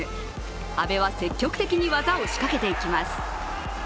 阿部は積極的に技を仕掛けていきます。